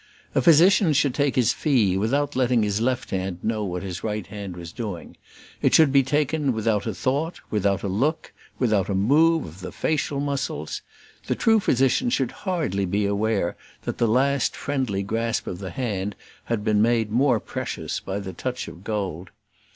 A physician should take his fee without letting his left hand know what his right hand was doing; it should be taken without a thought, without a look, without a move of the facial muscles; the true physician should hardly be aware that the last friendly grasp of the hand had been made more precious by the touch of gold.